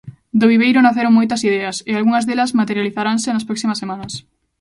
Do viveiro naceron moitas ideas e algunhas delas materializaranse nas próximas semanas.